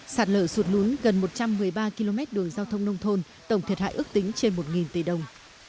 sạt lở sụt lún gần một trăm một mươi ba km đường giao thông nông thôn tổng thiệt hại ước tính trên một tỷ đồng